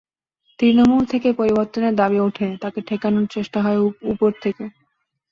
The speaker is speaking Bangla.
তৃণমূল থেকে পরিবর্তনের দাবি ওঠে, তাকে ঠেকানোর চেষ্টা হয় ওপর থেকে।